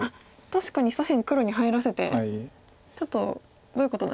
確かに左辺黒に入らせてちょっとどういうことなんですかね。